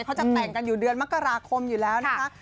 เขาจะแต่งกันอยู่เดือนมกราคมอยู่แล้วนะคะ